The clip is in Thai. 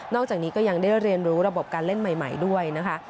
อกจากนี้ก็ยังได้เรียนรู้ระบบการเล่นใหม่ด้วยนะคะ